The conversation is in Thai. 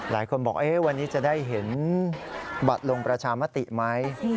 หลายคนบอกวันนี้จะได้เห็นบัตรลงประชามติไหม